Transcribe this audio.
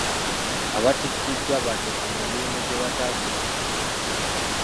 Abatikkiddwa bandifuna emirimu gye bataasomerera.